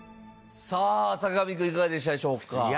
さあ坂上くんいかがでしたでしょうか。